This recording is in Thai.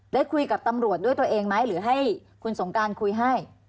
ได้คุยกับตำรวจด้วยตัวเองไหมหรือให้คุณสงการคุยให้